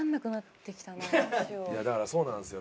だからそうなんですよ。